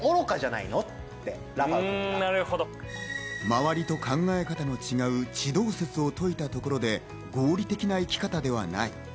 周りと考え方の違う地動説を説いたところで合理的な生き方ではない。